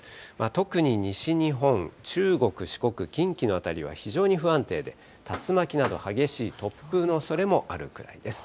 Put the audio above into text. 特に西日本、中国、四国、近畿の辺りは非常に不安定で、竜巻など、激しい突風のおそれもあるくらいです。